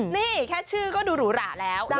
นี่แค่ชื่อก็ดูหรูหราแล้ว